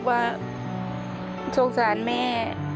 เขาบทว่าสงสัยแม่